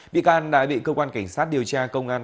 bị can đã bị cơ quan cảnh sát điều tra công an